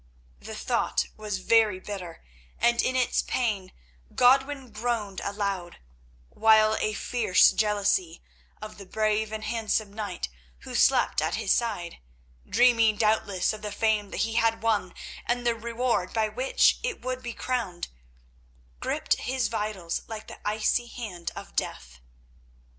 The thought was very bitter, and in its pain Godwin groaned aloud, while a fierce jealousy of the brave and handsome knight who slept at his side, dreaming, doubtless, of the fame that he had won and the reward by which it would be crowned, gripped his vitals like the icy hand of death.